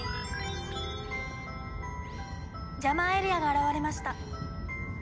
ジャマーエリアが現れました。